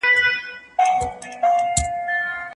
هغه ډاکټر چې په ساینس پوهیږي ښه درملنه کوي.